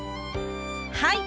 はい！